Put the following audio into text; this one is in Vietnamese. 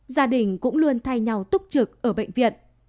gia đình cũng luôn thay nhau túc trực ở bệnh viện